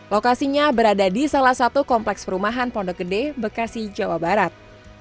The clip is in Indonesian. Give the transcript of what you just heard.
lokasinya berada di salah satu kompleks perumahan pondok gede bekasi jawa barat